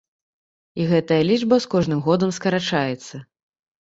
І гэтая лічба з кожным годам скарачаецца.